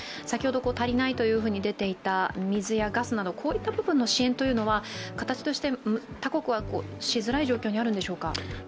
先ほど足りないと出ていた水やガスなどこういった部分の支援は形として他国はしづらい状況にあるんでしょうか？